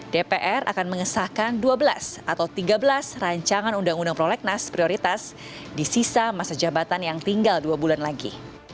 dpr akan mengesahkan dua belas atau tiga belas rancangan undang undang prolegnas prioritas di sisa masa jabatan yang tinggal dua bulan lagi